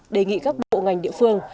đề nghị các bộ ngành địa phương